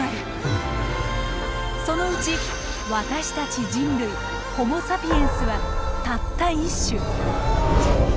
そのうち私たち人類ホモ・サピエンスはたった１種。